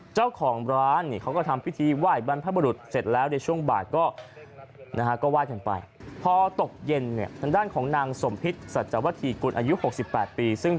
เจ้าของร้านเขาก็ทำพิธีว่ายบ้านพระบรุษเสร็จแล้วในช่วงบาทก็ว่ายกันไป